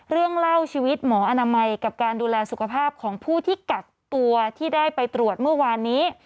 เรื่องเล่าชีวิตหมออนามัยกับการดูแลสุขภาพของผู้ที่กักตัวที่ได้ไปตรวจเมื่อวานนี้